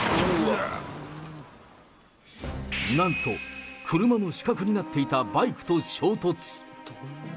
なんと車の死角になっていたバイクと衝突。